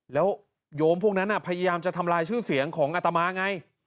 แล้วโยมพวกนั้นพยายามจะทำลายชื่อเสียงของอัตมาไง